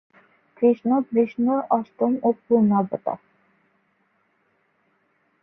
কৃষ্ণ বিষ্ণুর অষ্টম ও পূর্ণাবতার।